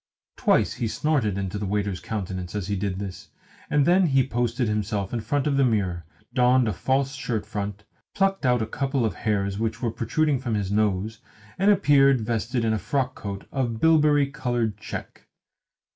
Twice he snorted into the waiter's countenance as he did this, and then he posted himself in front of the mirror, donned a false shirt front, plucked out a couple of hairs which were protruding from his nose, and appeared vested in a frockcoat of bilberry coloured check.